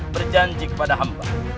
berjanji kepada hamba